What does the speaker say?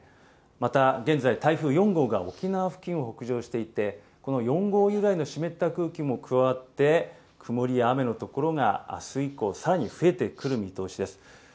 また、現在、台風４号が沖縄付近を北上していて、この４号由来の湿った空気も加わって、曇りや雨の所があす以降、さらに増えてくる見通しです。